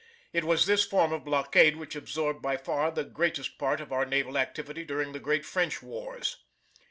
It was this form of blockade which absorbed by far the greatest part of our naval activity during the great French wars.